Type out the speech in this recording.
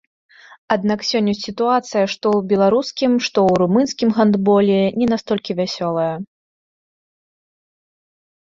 Аднак сёння сітуацыя, што ў беларускім, што ў румынскім гандболе не настолькі вясёлая.